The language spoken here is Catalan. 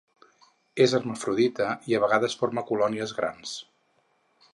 És hermafrodita i a vegades forma colònies grans.